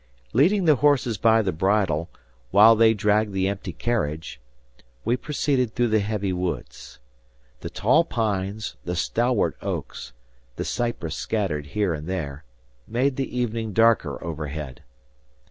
Leading the horses by the bridle, while they dragged the empty carriage, we proceeded through the heavy woods. The tall pines, the stalwart oaks, the cypress scattered here and there, made the evening darker overhead.